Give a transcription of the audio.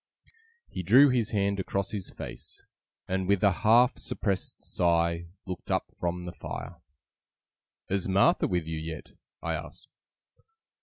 He drew his hand across his face, and with a half suppressed sigh looked up from the fire. 'Is Martha with you yet?' I asked.